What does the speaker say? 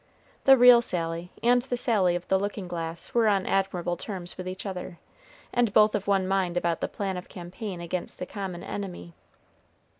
The real Sally and the Sally of the looking glass were on admirable terms with each other, and both of one mind about the plan of campaign against the common enemy.